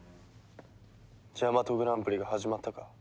ジャマトグランプリが始まったか。